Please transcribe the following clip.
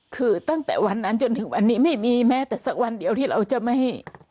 คือตั้งแต่วันนั้นจนถึงวันนี้ไม่มีแม้แต่สักวันเดียวที่เราจะไม่